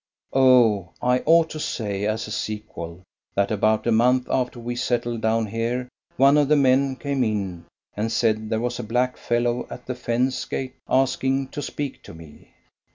Oh, I ought to say as a sequel that about a month after we settled down here one of the men came in and said there was a black fellow at the fence gate asking to speak to me.